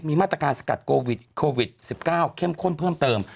มีมาตรการสกัดโควิด๑๙เข้มข้นเพิ่มเติม